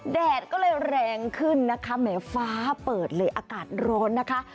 แดดก็เลยแรงขึ้นนะคะแหมฟ้าเปิดเลยอากาศร้อนนะคะ